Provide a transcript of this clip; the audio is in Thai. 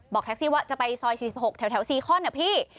บอกแท็กซี่ว่าจะไปซอย๔๖แถวซีข้อนเนี่ยพี่